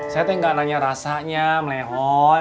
saya tinggal nanya rasanya melehoi